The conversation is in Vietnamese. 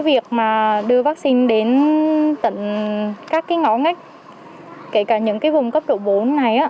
việc đưa vaccine đến tận các ngõ ngách kể cả những vùng cấp độ bốn này